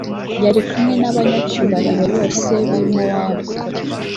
yari kumwe n’abanyacyubahiro bose b’i mowabu.